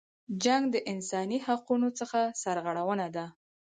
جنګ د انسانی حقونو څخه سرغړونه ده.